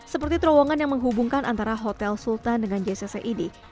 seperti terowongan yang menghubungkan antara hotel sultan dengan jcc ini